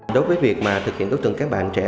đối với việc thực hiện tốt tuần các bạn trẻ